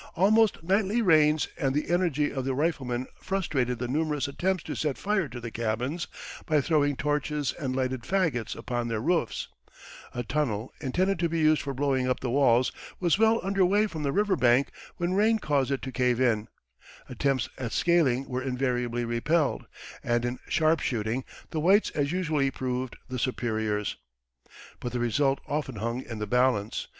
Almost nightly rains and the energy of the riflemen frustrated the numerous attempts to set fire to the cabins by throwing torches and lighted fagots upon their roofs; a tunnel, intended to be used for blowing up the walls, was well under way from the river bank when rain caused it to cave in; attempts at scaling were invariably repelled, and in sharpshooting the whites as usual proved the superiors. But the result often hung in the balance.